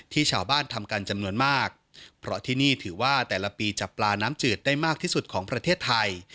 ที่ชาวบ้านทำกันจำนวนมากเพราะที่นี่ถือว่าแต่ละปีจับปลาน้ำจืดได้มากที่สุดของประเทศไทย